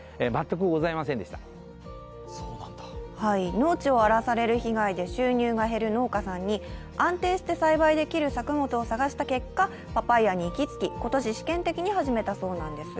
農地を荒らされる被害で収入が減る農家さんに安定して栽培できる作物を探した結果、パパイヤに行き着き、今年試験的に始めたそうなんです。